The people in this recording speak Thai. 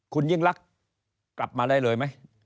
คุณยิ่งรักกลับมาได้เลยไหม